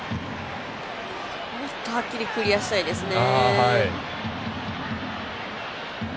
もっとはっきりクリアしたいですね。